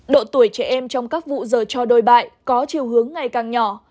độ tuổi trẻ em trong các vụ giờ cho đôi bại có chiều hướng ngày càng nhỏ